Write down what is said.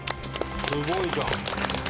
すごいじゃん。